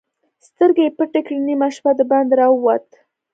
سترګې يې پټې کړې، نيمه شپه د باندې را ووت.